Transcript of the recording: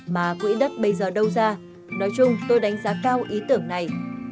mà quỹ đất bây giờ đâu ra nói chung tôi đánh giá cao ý tưởng này